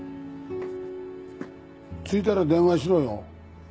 着いたら電話しろよ。